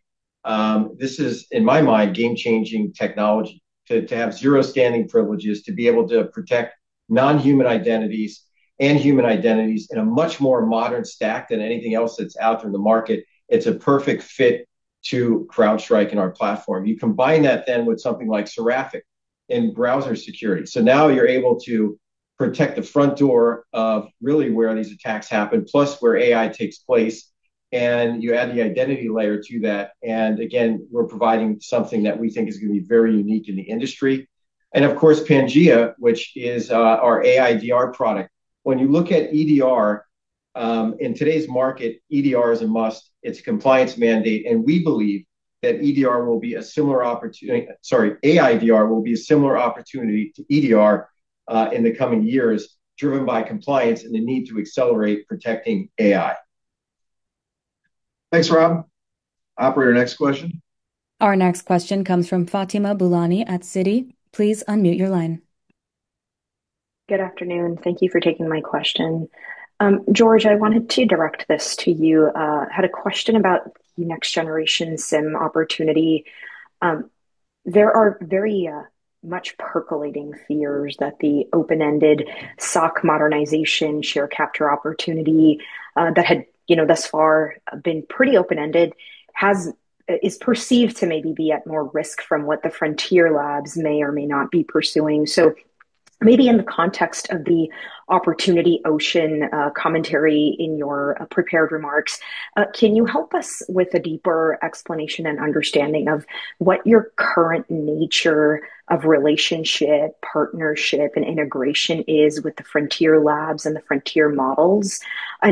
this is, in my mind, game-changing technology to have Zero Standing Privilege, to be able to protect non-human identities and human identities in a much more modern stack than anything else that's out there in the market. It's a perfect fit to CrowdStrike and our platform. You combine that then with something like Seraphic in browser security. Now you're able to protect the front door of really where these attacks happen, plus where AI takes place, and you add the identity layer to that. Again, we're providing something that we think is gonna be very unique in the industry. Of course, Pangea, which is our AI-DR product. When you look at EDR, in today's market, EDR is a must, it's a compliance mandate, and we believe that EDR will be a similar opportunity... Sorry, AI-DR will be a similar opportunity to EDR, in the coming years driven by compliance and the need to accelerate protecting AI. Thanks, Rob. Operator, next question. Our next question comes from Fatima Boolani at Citi. Please unmute your line. Good afternoon. Thank you for taking my question. George, I wanted to direct this to you. Had a question about the next generation SIEM opportunity. There are very much percolating fears that the open-ended SOC modernization share capture opportunity that had, you know, thus far been pretty open-ended is perceived to maybe be at more risk from what the Frontier labs may or may not be pursuing. Maybe in the context of the opportunity ocean commentary in your prepared remarks, can you help us with a deeper explanation and understanding of what your current nature of relationship, partnership, and integration is with the Frontier labs and the Frontier models?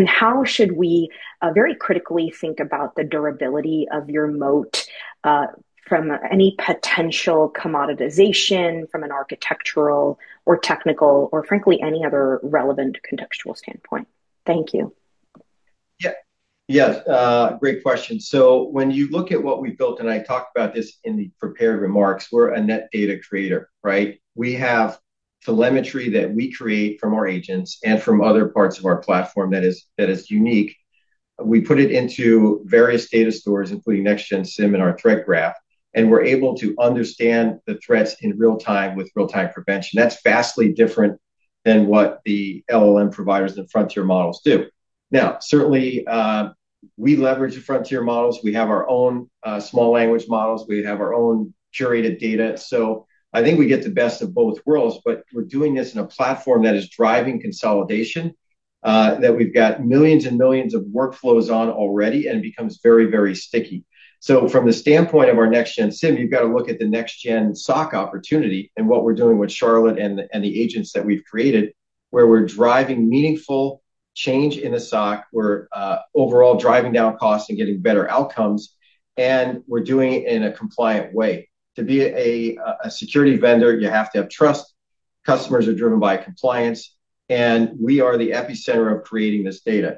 How should we very critically think about the durability of your moat from any potential commoditization from an architectural or technical or frankly, any other relevant contextual standpoint? Thank you. Yeah. Yes. Great question. When you look at what we've built, and I talked about this in the prepared remarks, we're a net data creator, right? We have telemetry that we create from our agents and from other parts of our platform that is unique. We put it into various data stores, including Next-Gen SIEM and our Threat Graph, and we're able to understand the threats in real time with real-time prevention. That's vastly different than what the LLM providers and Frontier models do. Certainly, we leverage the Frontier models. We have our own small language models. We have our own curated data. I think we get the best of both worlds, but we're doing this in a platform that is driving consolidation, that we've got millions and millions of workflows on already, and it becomes very, very sticky. From the standpoint of our Next-Gen SIEM, you've got to look at the Next-Gen SOC opportunity and what we're doing with Charlotte and the agents that we've created, where we're driving meaningful change in the SOC. We're overall driving down costs and getting better outcomes, and we're doing it in a compliant way. To be a security vendor, you have to have trust. Customers are driven by compliance, and we are the epicenter of creating this data.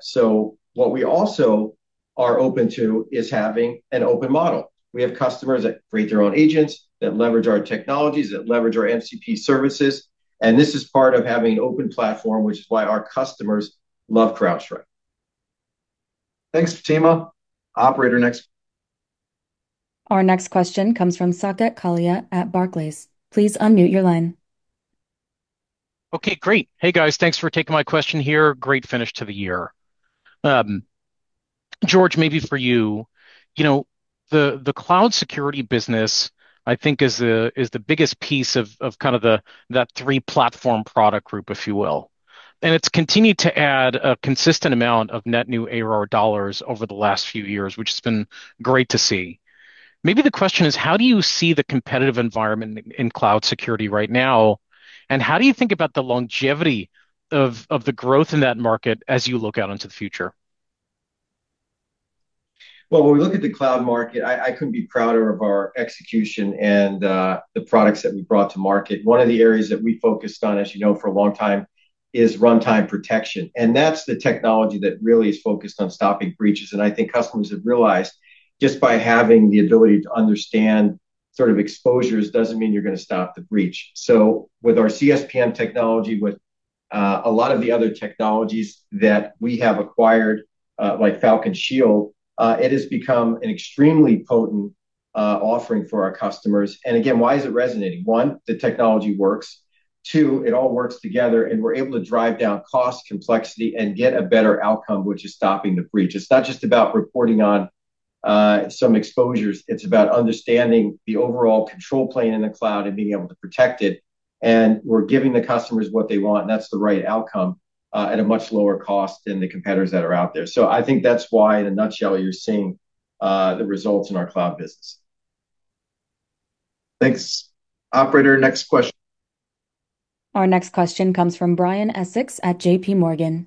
What we also are open to is having an open model. We have customers that create their own agents, that leverage our technologies, that leverage our MCP services, and this is part of having an open platform, which is why our customers love CrowdStrike. Thanks, Fatima. Operator, next. Our next question comes from Saket Kalia at Barclays. Please unmute your line. Okay, great. Hey, guys. Thanks for taking my question here. Great fiscal to the year. George, maybe for you. You know, the cloud security business, I think is the biggest piece of kind of that three-platform product group, if you will. It's continued to add a consistent amount of net new ARR dollars over the last few years, which has been great to see. Maybe the question is, how do you see the competitive environment in cloud security right now? How do you think about the longevity of the growth in that market as you look out into the future? Well, when we look at the cloud market, I couldn't be prouder of our execution and the products that we brought to market. One of the areas that we focused on, as you know, for a long time, is runtime protection. That's the technology that really is focused on stopping breaches. I think customers have realized just by having the ability to understand sort of exposures doesn't mean you're gonna stop the breach. With our CSPM technology, with a lot of the other technologies that we have acquired, like Falcon Shield, it has become an extremely potent offering for our customers. Again, why is it resonating? One, the technology works. Two, it all works together, and we're able to drive down cost, complexity, and get a better outcome, which is stopping the breach. It's not just about reporting on some exposures. It's about understanding the overall control plane in the cloud and being able to protect it. We're giving the customers what they want, and that's the right outcome at a much lower cost than the competitors that are out there. I think that's why, in a nutshell, you're seeing the results in our cloud business. Thanks. Operator, next question. Our next question comes from Brian Essex at JPMorgan.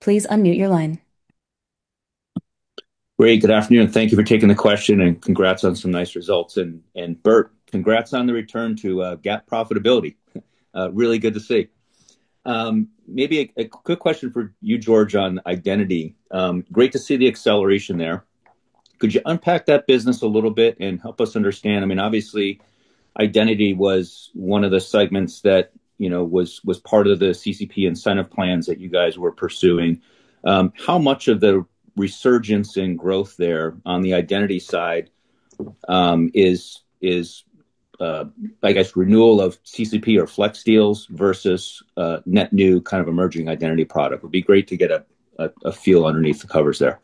Please unmute your line. Great. Good afternoon. Thank you for taking the question, and congrats on some nice results. Burt, congrats on the return to GAAP profitability. Really good to see. Maybe a quick question for you, George, on identity. Great to see the acceleration there. Could you unpack that business a little bit and help us understand? I mean, obviously, identity was one of the segments that, you know, was part of the CCP incentive plans that you guys were pursuing. How much of the resurgence in growth there on the identity side, is, I guess, renewal of CCP or Flex deals versus net new kind of emerging identity product? Would be great to get a feel underneath the covers there.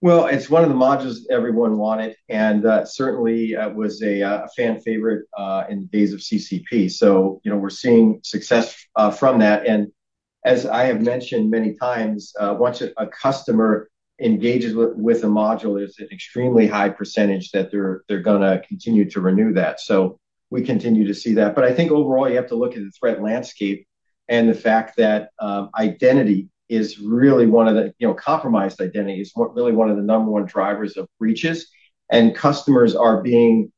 It's one of the modules everyone wanted and certainly was a fan favorite in days of CCP. You know, we're seeing success from that. As I have mentioned many times, once a customer engages with a module, there's an extremely high percentage that they're going to continue to renew that. We continue to see that. I think overall, you have to look at the threat landscape and the fact that identity is really one of the, you know, compromised identity is what really one of the number one driver of breaches. Customers are being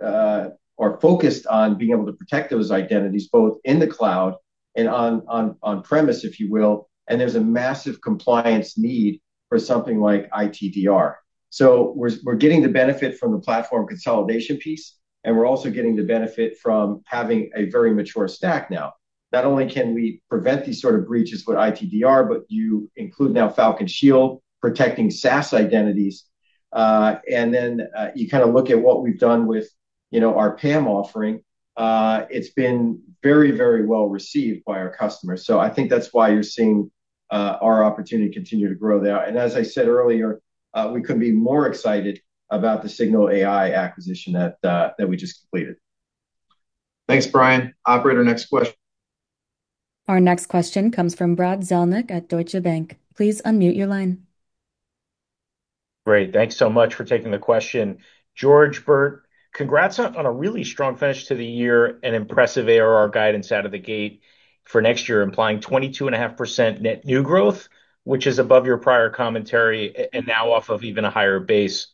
focused on being able to protect those identities, both in the cloud and on premise, if you will, and there's a massive compliance need for something like ITDR. We're getting the benefit from the platform consolidation piece, and we're also getting the benefit from having a very mature stack now. Not only can we prevent these sort of breaches with ITDR, but you include now Falcon Shield protecting SaaS identities. Then, you kind of look at what we've done with, you know, our PAM offering. It's been very, very well-received by our customers. I think that's why you're seeing our opportunity continue to grow there. As I said earlier, we couldn't be more excited about the SGNL acquisition that we just completed. Thanks, Brian. Operator, next question. Our next question comes from Brad Zelnick at Deutsche Bank. Please unmute your line. Great. Thanks so much for taking the question. George, Burt, congrats on a really strong finish to the year and impressive ARR guidance out of the gate for next year, implying 22.5% net new growth, which is above your prior commentary and now off of even a higher base.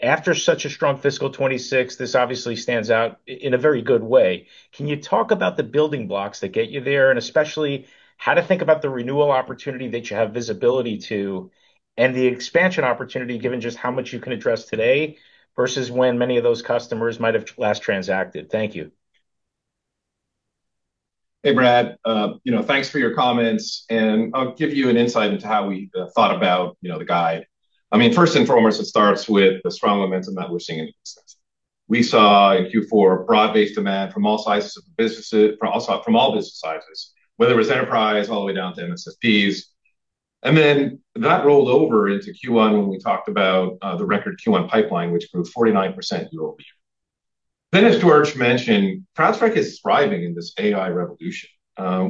After such a strong fiscal 2026, this obviously stands out in a very good way. Can you talk about the building blocks that get you there, and especially how to think about the renewal opportunity that you have visibility to and the expansion opportunity given just how much you can address today versus when many of those customers might have last transacted? Thank you. Hey, Brad. You know, thanks for your comments. I'll give you an insight into how we thought about, you know, the guide. I mean, first and foremost, it starts with the strong momentum that we're seeing in business. We saw in Q4 broad-based demand from all business sizes, whether it was enterprise all the way down to MSSPs. That rolled over into Q1 when we talked about the record Q1 pipeline, which grew 49% year-over-year. As George mentioned, CrowdStrike is thriving in this AI revolution.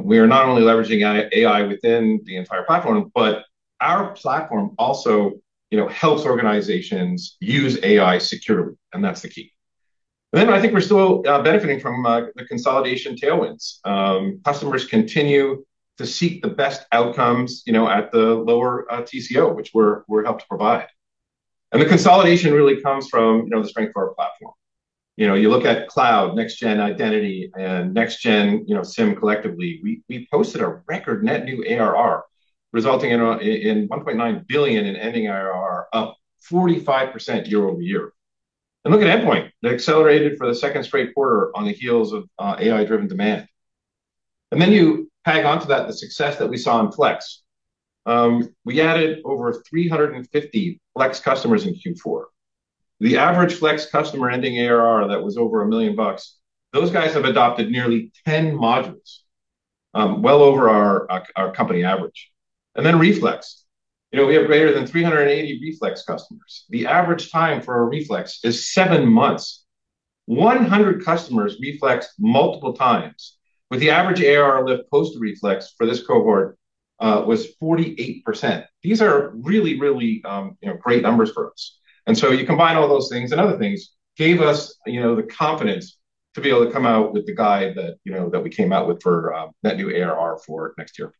We are not only leveraging AI within the entire platform, but our platform also, you know, helps organizations use AI securely, and that's the key. I think we're still benefiting from the consolidation tailwinds. Customers continue to seek the best outcomes, you know, at the lower TCO, which we help to provide. The consolidation really comes from, you know, the strength of our platform. You know, you look at cloud, Next-Gen Identity, and Next-Gen SIEM collectively, we posted a record net new ARR, resulting in $1.9 billion in ending ARR, up 45% year-over-year. Look at Endpoint. It accelerated for the second straight quarter on the heels of AI-driven demand. You tag onto that the success that we saw in Flex. We added over 350 Flex customers in Q4. The average Flex customer ending ARR that was over $1 million, those guys have adopted nearly 10 modules, well over our company average. Reflex. You know, we have greater than 380 Reflex customers. The average time for a Reflex is seven months. 100 customers Reflexed multiple times, with the average ARR lift post-Reflex for this cohort was 48%. These are really, really, you know, great numbers for us. You combine all those things and other things, gave us, you know, the confidence to be able to come out with the guide that, you know, that we came out with for net new ARR for next year.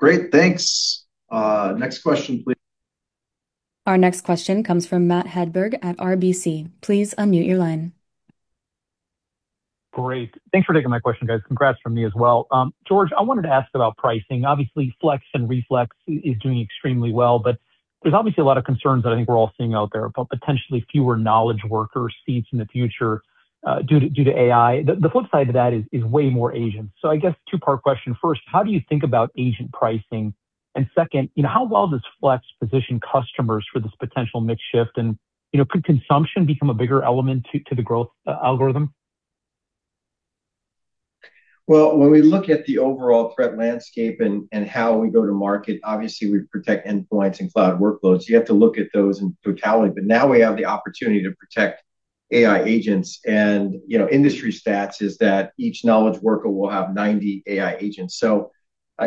Great. Thanks. Next question, please. Our next question comes from Matt Hedberg at RBC. Please unmute your line. Great. Thanks for taking my question, guys. Congrats from me as well. George, I wanted to ask about pricing. Obviously, Flex and Reflex is doing extremely well, but there's obviously a lot of concerns that I think we're all seeing out there about potentially fewer knowledge worker seats in the future due to AI. The, the flip side to that is way more agents. I guess two-part question. First, how do you think about agent pricing? Second, you know, how well does Flex position customers for this potential mix shift? You know, could consumption become a bigger element to the growth algorithm? When we look at the overall threat landscape and how we go to market, obviously we protect endpoints and cloud workloads. You have to look at those in totality. Now we have the opportunity to protect AI agents. You know, industry stats is that each knowledge worker will have 90 AI agents.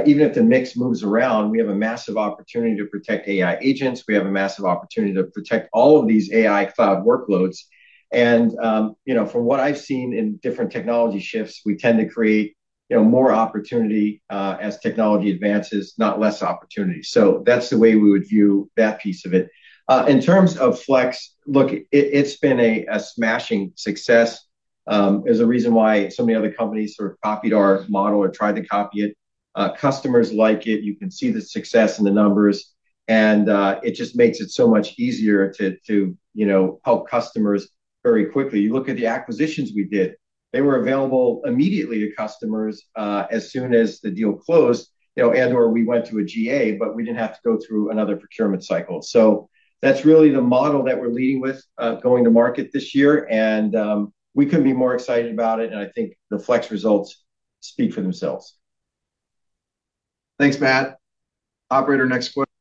Even if the mix moves around, we have a massive opportunity to protect AI agents, we have a massive opportunity to protect all of these AI cloud workloads. You know, from what I've seen in different technology shifts, we tend to create, you know, more opportunity, as technology advances, not less opportunity. That's the way we would view that piece of it. In terms of Flex, look, it's been a smashing success. There's a reason why so many other companies sort of copied our model or tried to copy it. Customers like it. You can see the success in the numbers. It just makes it so much easier to, you know, help customers very quickly. You look at the acquisitions we did, they were available immediately to customers, as soon as the deal closed, you know, and/or we went to a GA, but we didn't have to go through another procurement cycle. That's really the model that we're leading with, going to market this year and, we couldn't be more excited about it, and I think the Flex results speak for themselves. Thanks, Matt. Operator, next question.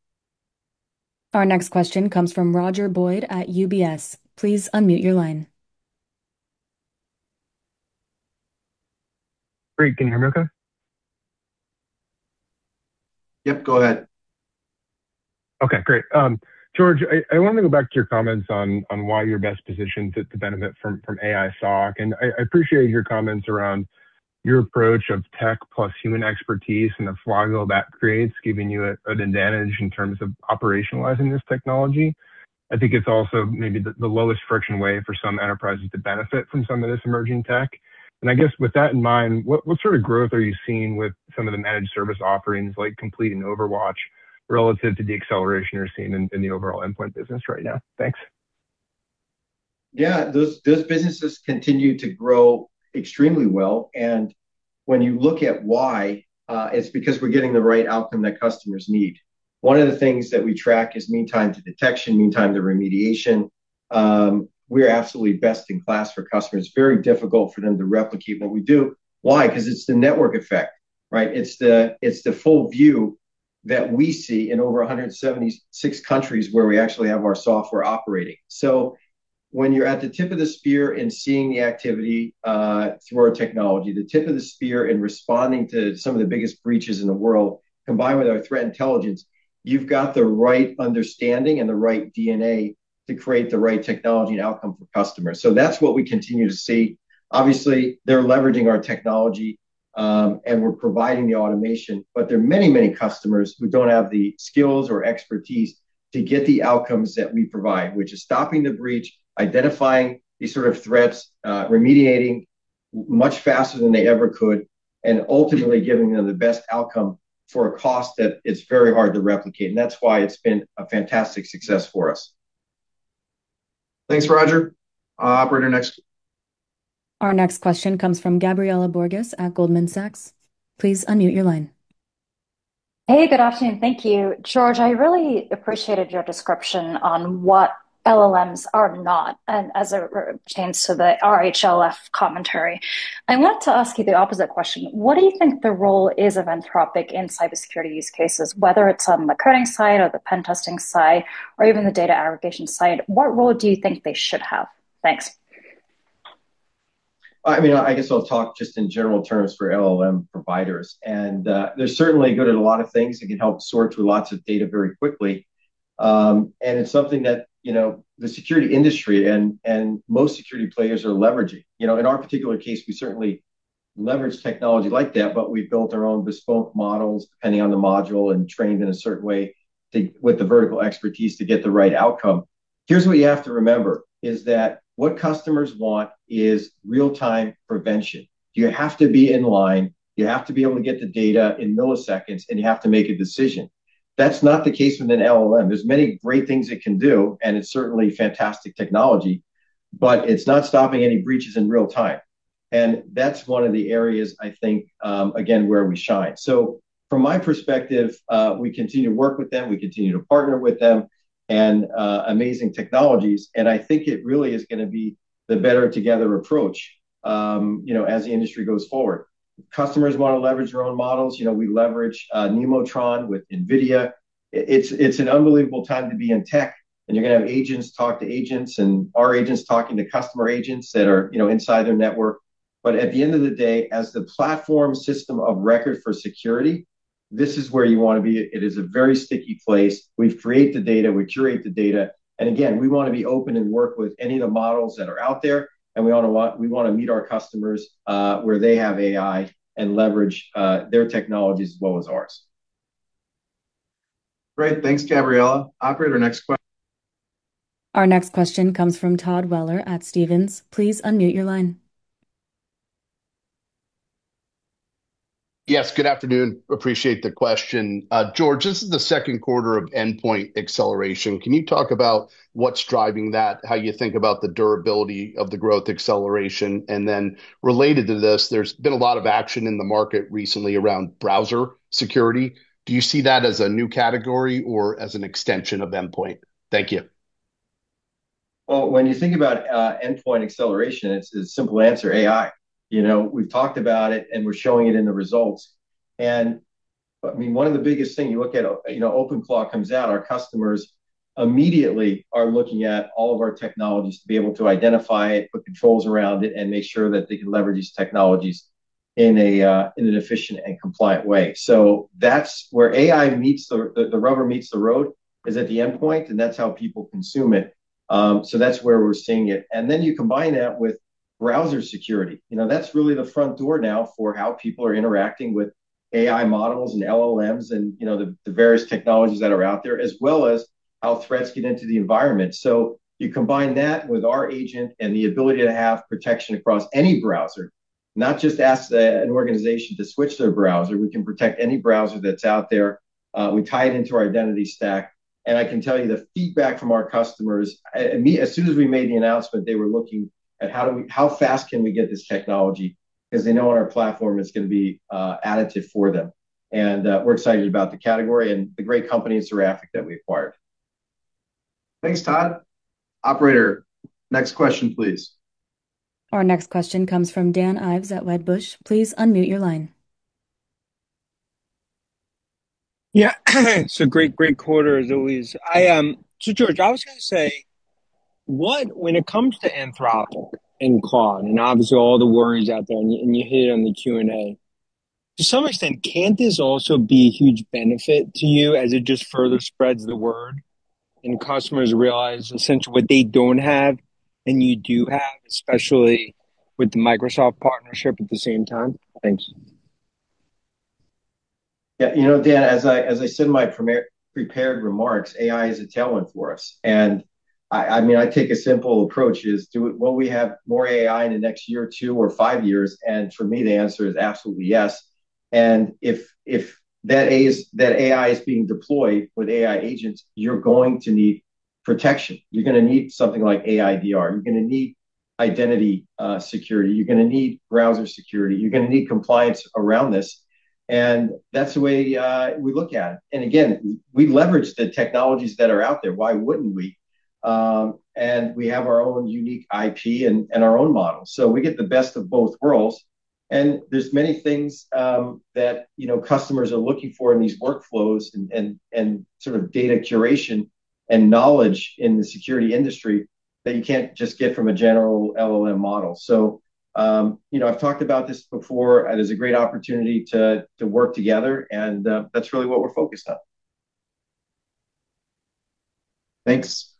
Our next question comes from Roger Boyd at UBS. Please unmute your line. Great. Can you hear me okay? Yep, go ahead. Okay, great. George, I wanted to go back to your comments on why you're best positioned to benefit from AI SOC, I appreciate your comments around your approach of tech plus human expertise and the flywheel that creates, giving you an advantage in terms of operationalizing this technology. I think it's also maybe the lowest friction way for some enterprises to benefit from some of this emerging tech. I guess with that in mind, what sort of growth are you seeing with some of the managed service offerings like Complete and OverWatch? Relative to the acceleration you're seeing in the overall endpoint business right now. Thanks. Those businesses continue to grow extremely well, when you look at why, it's because we're getting the right outcome that customers need. One of the things that we track is mean time to detection, mean time to remediation. We're absolutely best in class for customers. Very difficult for them to replicate what we do. Why? 'Cause it's the network effect, right? It's the full view that we see in over 176 countries where we actually have our software operating. When you're at the tip of the spear and seeing the activity, through our technology, the tip of the spear in responding to some of the biggest breaches in the world, combined with our threat intelligence, you've got the right understanding and the right DNA to create the right technology and outcome for customers. That's what we continue to see. Obviously, they're leveraging our technology, and we're providing the automation, but there are many, many customers who don't have the skills or expertise to get the outcomes that we provide, which is stopping the breach, identifying these sort of threats, remediating much faster than they ever could, and ultimately giving them the best outcome for a cost that is very hard to replicate, and that's why it's been a fantastic success for us. Thanks, Roger. Operator, next. Our next question comes from Gabriela Borges at Goldman Sachs. Please unmute your line. Hey, good afternoon. Thank you. George, I really appreciated your description on what LLMs are not and as it pertains to the RLHF commentary. I want to ask you the opposite question. What do you think the role is of Anthropic in cybersecurity use cases, whether it's on the coding side or the pen testing side or even the data aggregation side? What role do you think they should have? Thanks. I mean, I guess I'll talk just in general terms for LLM providers, and they're certainly good at a lot of things and can help sort through lots of data very quickly. It's something that, you know, the security industry and most security players are leveraging. You know, in our particular case, we certainly leverage technology like that, but we've built our own bespoke models depending on the module and trained in a certain way with the vertical expertise to get the right outcome. Here's what you have to remember, is that what customers want is real-time prevention. You have to be in line, you have to be able to get the data in milliseconds, and you have to make a decision. That's not the case with an LLM. There are many great things it can do, and its certainly fantastic technology, but it's not stopping any breaches in real-time, and that's one of the areas I think, again, where we shine. From my perspective, we continue to work with them, we continue to partner with them, and amazing technologies, and I think it really is going to be the better together approach, you know, as the industry goes forward. Customers winna leverage their own models. You know, we leverage Nemotron with NVIDIA. It's an unbelievable time to be in tech, and you're going to have agents talk to agents and our agents talking to customer agents that are, you know, inside their network. At the end of the day, as the platform system of record for security, this is where you want to be. It is a very sticky place. We create the data, we curate the data. Again, we wanna be open and work with any of the models that are out there. We wanna meet our customers where they have AI and leverage their technology as well as ours. Great. Thanks, Gabriela. Operator, next question Our next question comes from Todd Weller at Stephens. Please unmute your line. Yes, good afternoon. Appreciate the question. George, this is the Q2 of endpoint acceleration. Can you talk about what's driving that, how you think about the durability of the growth acceleration? Then related to this, there's been a lot of action in the market recently around browser security. Do you see that as a new category or as an extension of endpoint? Thank you. Well, when you think about endpoint acceleration, it's a simple answer, AI. You know, we've talked about it and we're showing it in the results. I mean, one of the biggest thing you look at, you know, OpenClaw comes out, our customers immediately are looking at all of our technologies to be able to identify it, put controls around it, and make sure that they can leverage these technologies in an efficient and compliant way. That's where AI meets the rubber meets the road is at the endpoint, and that's how people consume it. That's where we're seeing it. Then you combine that with browser security. You know, that's really the front door now for how people are interacting with AI models and LLMs and, you know, the various technologies that are out there, as well as how threats get into the environment. You combine that with our agent and the ability to have protection across any browser, not just an organization to switch their browser, we can protect any browser that's out there. We tie it into our identity stack, and I can tell you the feedback from our customers, as soon as we made the announcement, they were looking at how fast can we get this technology? 'Cause they know on our platform it's gonna be additive for them. We're excited about the category and the great company Seraphic that we acquired. Thanks, Todd. Operator, next question, please. Our next question comes from Dan Ives at Wedbush. Please unmute your line. Yeah. It's a great quarter as always. I, George, I was gonna say, when it comes to Anthropic and Claude, and obviously all the worries out there, and you hit it on the Q&A. To some extent, can't this also be a huge benefit to you as it just further spreads the word and customers realize essentially what they don't have and you do have, especially with the Microsoft partnership at the same time? Thanks. Yeah, you know, Dan, as I, as I said in my prepared remarks, AI is a tailwind for us. I mean, I take a simple approach is will we have more AI in the next year or two or five years? And for me, the answer is absolutely yes. If that AI is being deployed with AI agents, you're going to need protection. You're gonna need something like AIDR, you're gonna need identity security, you're gonna need browser security, you're gonna need compliance around this, and that's the way we look at it. Again, we leverage the technologies that are out there. Why wouldn't we? We have our own unique IP and our own models. We get the best of both worlds. There's many things, that, you know, customers are looking for in these workflows and sort of data curation and knowledge in the security industry that you can't just get from a general LLM model. You know, I've talked about this before, and there's a great opportunity to work together, and, that's really what we're focused on. Thanks.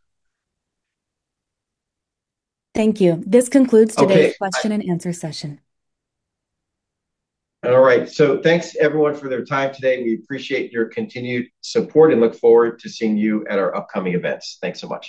Thank you. This concludes. Okay. today's question and answer session. All right. Thanks everyone for their time today. We appreciate your continued support and look forward to seeing you at our upcoming events. Thanks so much.